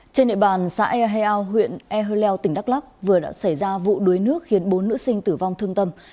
trên địa bàn xã eao huyện ehleu tỉnh đắk lắc vừa đã xảy ra vụ đuối nước khiến bốn nữ sinh tử vong thương tâm